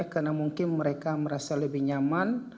karena mungkin mereka merasa lebih nyaman